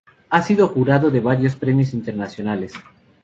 Ha sido jurado de varios premios internacionales.